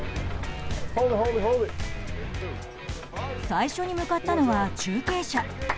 最初に向かったのは中継車。